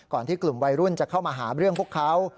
ที่กลุ่มวัยรุ่นจะเข้ามาหาเรื่องพวกเขา